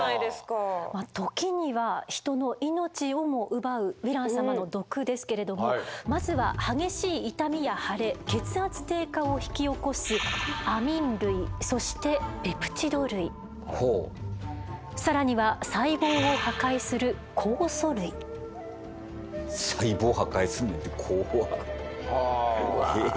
時には人の命をも奪うヴィラン様の毒ですけれどもまずは激しい痛みや腫れ血圧低下を引き起こすそして更には細胞を破壊する細胞を破壊すんねんて怖っ。え？